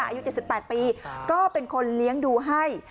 อายุ๗๘ปีก็เป็นคนเลี้ยงดูให้